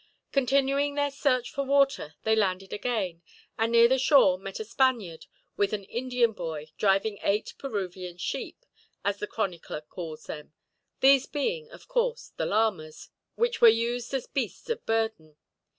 Continuing their search for water they landed again, and near the shore met a Spaniard, with an Indian boy, driving eight "Peruvian sheep," as the chronicler calls them; these being, of course, the llamas, which were used as beasts of burden.